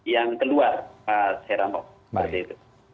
yang keluar pak seramok